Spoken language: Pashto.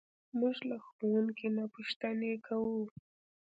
موږ له ښوونکي نه پوښتنې کوو.